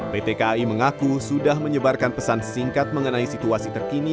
pt kai mengaku sudah menyebarkan pesan singkat mengenai situasi terkini